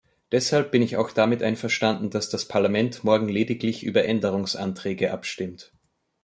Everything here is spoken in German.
Deshalb bin auch ich damit einverstanden, dass das Parlament morgen lediglich über Änderungsanträge abstimmt.